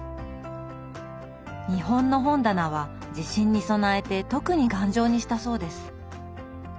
日本の本棚は地震に備えて特に頑丈にしたそうです。